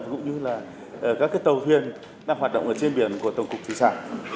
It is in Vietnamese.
cũng như là các tàu thuyền đang hoạt động ở trên biển của tổng cục thủy sản